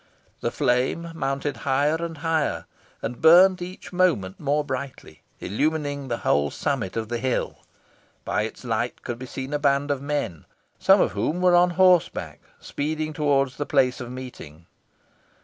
The flame mounted higher and higher, and burnt each moment more brightly, illumining the whole summit of the hill. By its light could be seen a band of men, some of whom were on horseback, speeding towards the place of meeting.